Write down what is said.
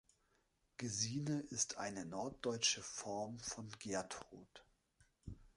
Gesine ist eine norddeutsche Form von Gertrud.